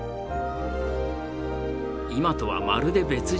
今とはまるで別人。